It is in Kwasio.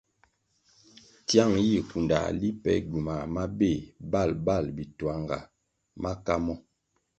Tiang yih kundãh li pe gywumah mabéh babal bituanga maka mo.